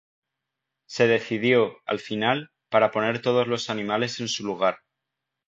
Se decidió, al final, para poner todos los animales en su lugar.